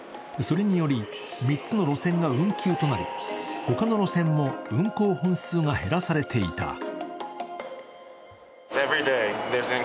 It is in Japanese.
それにより３つの路線が運休となり他の路線も運行本数が減らされていた。